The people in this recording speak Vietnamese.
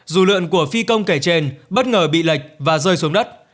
dù lượn của phi công kể trên bất ngờ bị lệch và rơi xuống đất